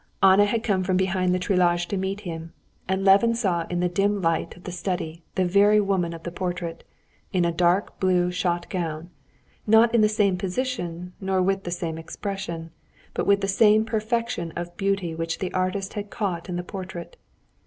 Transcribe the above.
Anna had come from behind the treillage to meet him, and Levin saw in the dim light of the study the very woman of the portrait, in a dark blue shot gown, not in the same position nor with the same expression, but with the same perfection of beauty which the artist had caught in the portrait.